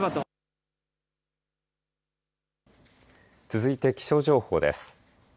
続いて気象情報です。